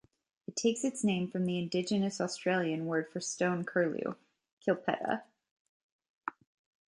It takes its name from the Indigenous Australian word for stone curlew, "quilpeta".